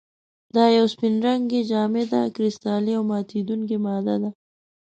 دا یوه سپین رنګې، جامده، کرسټلي او ماتیدونکې ماده ده.